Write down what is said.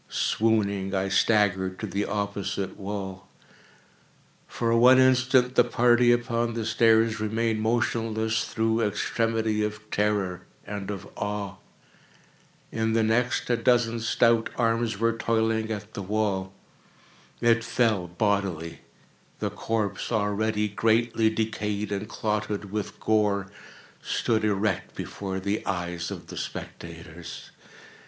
Swooning, I staggered to the opposite wall. For one instant the party upon the stairs remained motionless, through extremity of terror and of awe. In the next, a dozen stout arms were toiling at the wall. It fell bodily. The corpse, already greatly decayed and clotted with gore, stood erect before the eyes of the spectators.